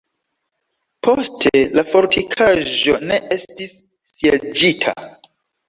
Poste la fortikaĵo ne estis sieĝita.